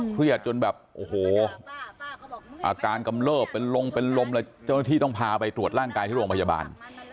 เครียดจนแบบโอ้โหอาการกำเลิบเป็นลงเป็นลมเลยเจ้าหน้าที่ต้องพาไปตรวจร่างกายที่โรงพยาบาล